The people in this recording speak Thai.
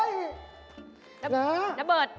นะน้ำเบิร์ด